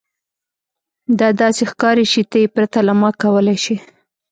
دا داسې ښکاري چې ته یې پرته له ما کولی شې